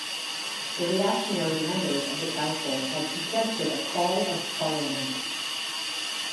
The reactionary members of the council had suggested a call of parliament.